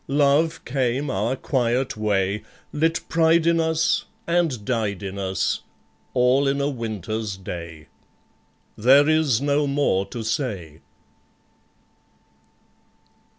Love came our quiet way, Lit pride in us, and died in us, All in a winter's day. There is no more to say.